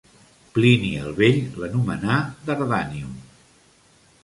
Plini el Vell l'anomenà Dardanium.